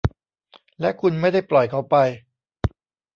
และคุณไม่ได้ปล่อยเขาไป ?